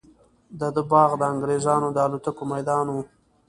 د ده باغ د انګریزانو د الوتکو میدان وو.